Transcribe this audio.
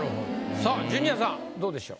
さあジュニアさんどうでしょう？